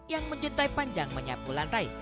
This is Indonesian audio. yang menjuntai panjang menyapu lantai